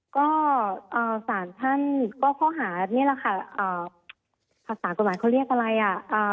ก็สารท่านก็ข้อหานี่แหละค่ะภาษากฎหมายเขาเรียกอะไรอ่ะ